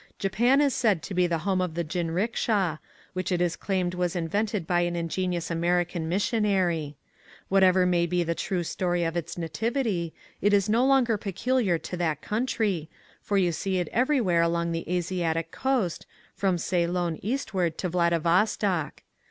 Japan is said to be the home of the jinricksha, which it is claimed was in vented by an ingenious American mis sionary. Whatever may be the true story of its nativity, it is no longer peculiar to that country, for you see it every where along the Asiatic coast, from Cey lon eastward to Vladivostok.